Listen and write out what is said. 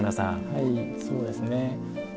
はいそうですね。